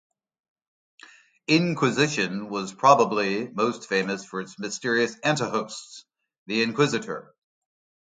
"Inquizition" was probably most famous for its mysterious anti-host, the Inquizitor.